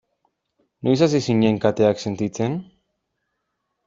Noiz hasi zinen kateak sentitzen?